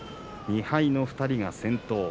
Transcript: ２敗の２人が先頭。